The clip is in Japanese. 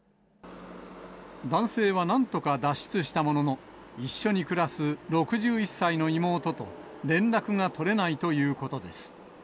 男性はなんとか脱出したものの、一緒に暮らす６１歳の妹と連絡が取れないということです。